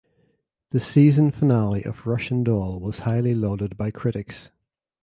The season finale of "Russian Doll" was highly lauded by critics.